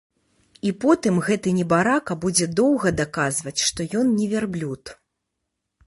І потым гэты небарака будзе доўга даказваць, што ён не вярблюд.